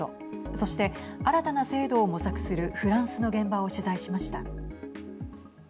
そして、新たな制度を模索するフランスの現場を取材しました。